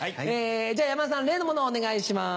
じゃ山田さん例のものをお願いします。